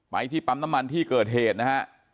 ที่ปั๊มน้ำมันที่เกิดเหตุนะฮะ